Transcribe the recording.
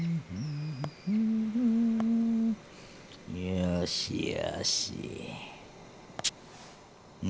よしよし。